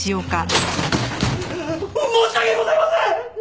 申し訳ございません！